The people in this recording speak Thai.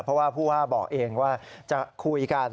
เพราะว่าผู้ว่าบอกเองว่าจะคุยกัน